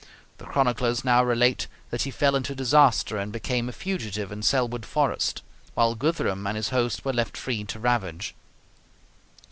The chroniclers now relate that he fell into disaster and became a fugitive in Selwood Forest, while Guthrum and his host were left free to ravage.